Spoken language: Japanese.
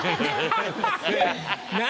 何？